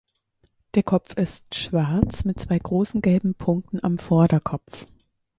Der Kopf ist schwarz mit zwei großen gelben Punkten am Vorderkopf.